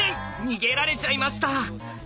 逃げられちゃいました。